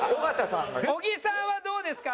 小木さんはどうですか？